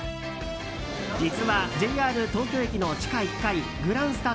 実はＪＲ東京駅の地下１階グランスタ